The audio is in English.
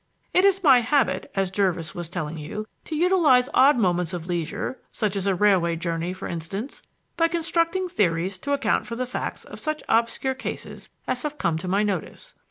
It is my habit, as Jervis was telling you, to utilize odd moments of leisure (such as a railway journey, for instance) by constructing theories to account for the facts of such obscure cases as have come to my notice.